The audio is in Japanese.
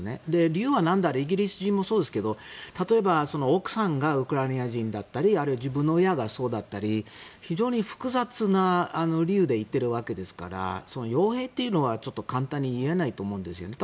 理由はなんであれイギリス人もそうですが例えば奥さんがウクライナ人だったりあるいは自分の親がそうだったり非常に複雑な理由で行っているわけですから傭兵というのは簡単に言えないと思うんですよね。